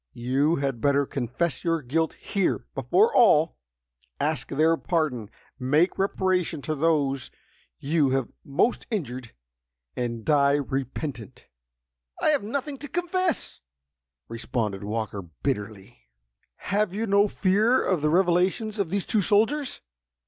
You had better confess your guilt, here, before all—ask their pardon—make reparation to those you have most injured, and die repentant!" "I have nothing to confess!" responded Walker, bitterly. "Have you no fear of the revelations of these two soldiers?"